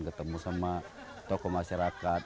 ketemu sama tokoh masyarakat